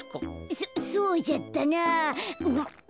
そそうじゃったなあ。